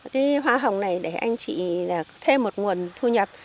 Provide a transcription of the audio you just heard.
cái hoa hồng này để anh chị là thêm một nguồn thu nhập